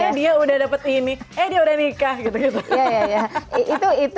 iya dia udah dapat ini eh dia udah nikah gitu gitu